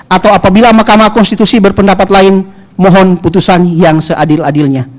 atau apabila mahkamah konstitusi berpendapat lain mohon putusan yang seadil adilnya